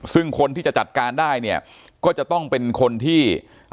ซึ่งคนที่จะจัดการได้เนี่ยก็จะต้องเป็นคนที่